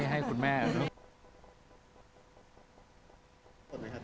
ให้คุณแม่กันเนอะ